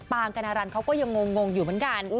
ปางกรรารันทร์เขาก็ยังงงอยู่เหมือนกัน